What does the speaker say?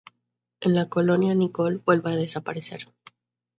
En la colonia Nicole vuelve a desaparecer.